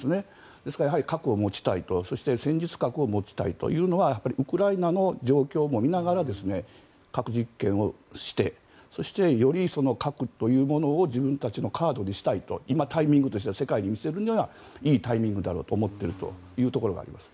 ですから、やはり核を持ちたいとそして戦術核を持ちたいというのはウクライナの状況も見ながら核実験をしてそして、より核というものを自分たちのカードにしたいと今、タイミングとしては世界に見せるのにはいいタイミングだろうと思っているというところがあります。